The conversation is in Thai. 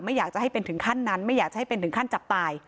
อยากจะให้เป็นถึงขั้นนั้นไม่อยากจะให้เป็นถึงขั้นจับตาย